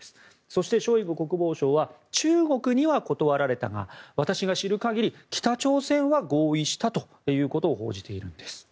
そして、ショイグ国防相は中国には断られたが私が知る限り北朝鮮は合意したということを報じているんです。